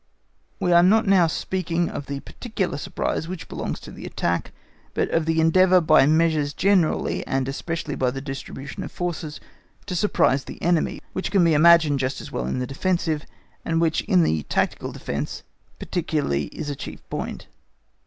We are not now speaking of the particular surprise which belongs to the attack, but of the endeavour by measures generally, and especially by the distribution of forces, to surprise the enemy, which can be imagined just as well in the defensive, and which in the tactical defence particularly is a chief point.